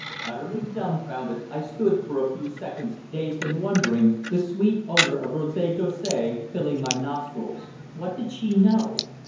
Utterly dumbfounded, I stood for a few seconds dazed and wondering, the sweet odour of Rose d'Orsay filling my nostrils. What did she know?